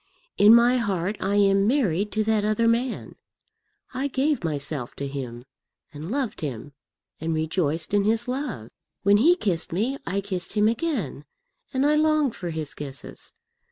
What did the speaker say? In my heart I am married to that other man. I gave myself to him, and loved him, and rejoiced in his love. When he kissed me I kissed him again, and I longed for his kisses.